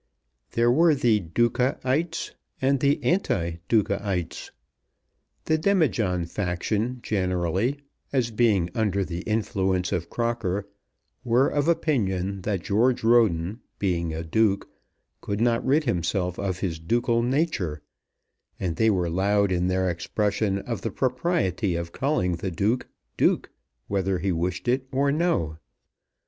There were the Ducaites and the anti Ducaites. The Demijohn faction generally, as being under the influence of Crocker, were of opinion that George Roden being a Duke could not rid himself of his ducal nature, and they were loud in their expression of the propriety of calling the Duke Duke whether he wished it or no.